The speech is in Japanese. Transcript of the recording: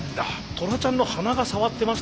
トラちゃんの鼻が触ってましたか？